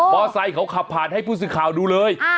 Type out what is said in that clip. ไซค์เขาขับผ่านให้ผู้สื่อข่าวดูเลย